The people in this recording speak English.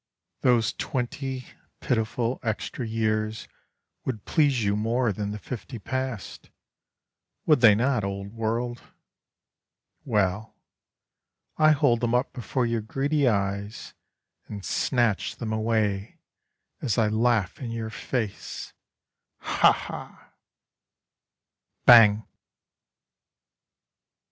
Those twenty, pitiful, extra years Would please you more than the fifty past, Would they not, Old World? Well, I hold them up before your greedy eyes, And snatch them away as I laugh in your face, Ha! Ha! Bang